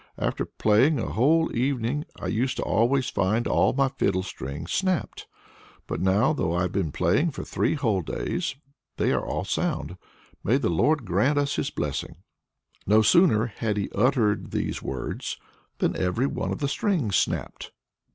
After playing a whole evening I used always to find all my fiddle strings snapped. But now, though I've been playing for three whole days, they are all sound. May the Lord grant us his blessing!" No sooner had he uttered these words than every one of the strings snapped.